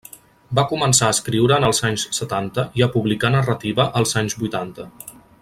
Va començar a escriure en els anys setanta i a publicar, narrativa, els anys vuitanta.